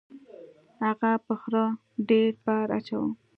هغه په خره ډیر بار اچاوه.